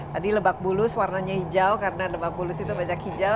tadi lebak bulus warnanya hijau karena lebak bulus itu banyak hijau